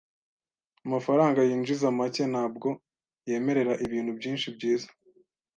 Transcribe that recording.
Amafaranga yinjiza make ntabwo yemerera ibintu byinshi byiza.